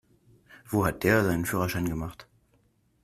Wo hat der seinen Führerschein gemacht?